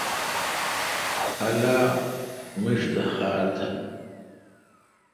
اللہ میݭ تہ خار تہ۔